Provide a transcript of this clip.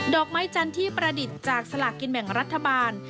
อกไม้จันทร์ที่ประดิษฐ์จากสลากกินแบ่งรัฐบาล